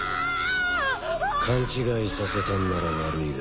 勘違いさせたんなら悪いが。